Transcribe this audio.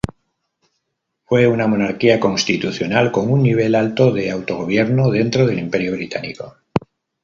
Fue una monarquía constitucional con un nivel alto de autogobierno dentro del Imperio británico.